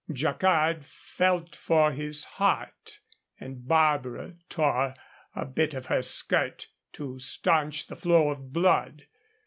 Jacquard felt for his heart, and Barbara tore a bit of her skirt to stanch the flow of blood.